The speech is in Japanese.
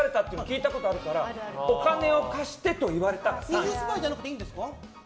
二重スパイじゃなくていいですか？